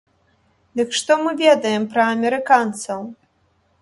Дык што мы ведаем пра амерыканцаў?